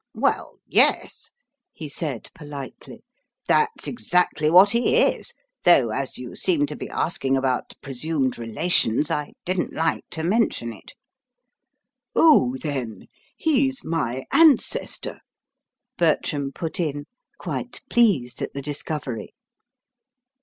"Well, yes," he said politely, "that's exactly what he is; though, as you seemed to be asking about presumed relations, I didn't like to mention it." "Oh, then, he's my ancestor," Bertram put in, quite pleased at the discovery.